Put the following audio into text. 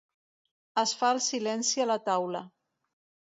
Es fa el silenci a la taula.